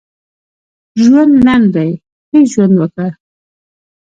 ژوند لنډ دی ښه ژوند وکړه.